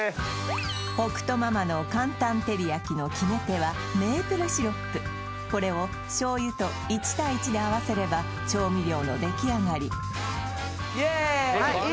北斗ママの簡単照り焼きの決め手はメープルシロップこれを醤油と１対１で合わせれば調味料の出来上がり・イエーイ！